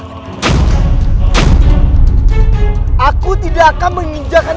masuklah ke dalam